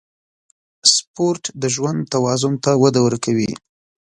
سپورت د ژوند توازن ته وده ورکوي.